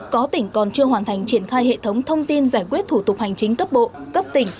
có tỉnh còn chưa hoàn thành triển khai hệ thống thông tin giải quyết thủ tục hành chính cấp bộ cấp tỉnh